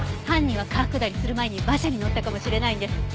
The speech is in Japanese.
犯人は川下りする前に馬車に乗ったかもしれないんです。